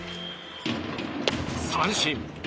三振。